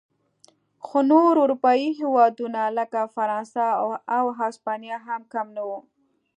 خو نور اروپايي هېوادونه لکه فرانسه او هسپانیا هم کم نه و.